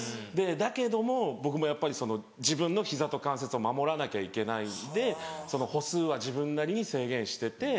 だけども僕もやっぱり自分の膝と関節を守らなきゃいけないんで歩数は自分なりに制限してて。